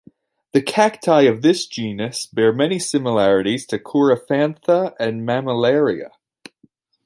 The cacti of this genus bear many similarities to "Coryphantha" and "Mammillaria".